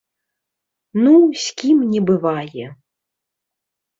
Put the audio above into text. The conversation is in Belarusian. Ну, з кім не бывае.